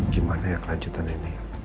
gimana ya kelanjutan ini